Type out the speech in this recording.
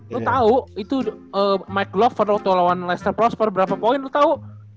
lo tau itu mike glover waktu lawan leicester prosper berapa poin lo tau